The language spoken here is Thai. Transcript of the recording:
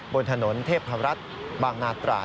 บนถนนเทพรัฐบางนาตรา